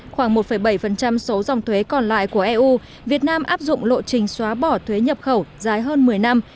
khoảng một bảy số dòng thuế còn lại của eu việt nam áp dụng lộ trình xóa bỏ thuế nhập khẩu dài hơn một mươi năm